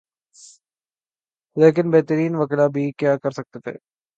لیکن بہترین وکلا بھلا کیا کر سکتے تھے۔